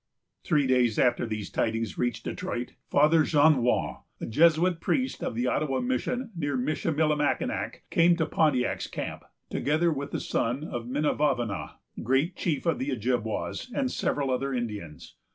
Three days after these tidings reached Detroit, Father Jonois, a Jesuit priest of the Ottawa mission near Michillimackinac, came to Pontiac's camp, together with the son of Minavavana, great chief of the Ojibwas, and several other Indians.